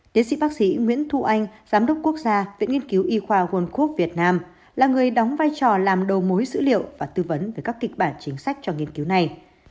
tiến sĩ bác sĩ nguyễn thu anh giám đốc quốc gia viện nghiên cứu y khoa quân khu việt nam là người đóng vai trò làm đầu mối dữ liệu và tư vấn về các kịch bản chính sách cho nghiên cứu này